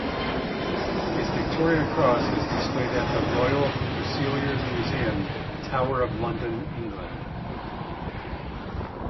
His Victoria Cross is displayed at the Royal Fusiliers Museum, Tower of London, England.